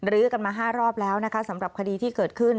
ื้อกันมา๕รอบแล้วนะคะสำหรับคดีที่เกิดขึ้น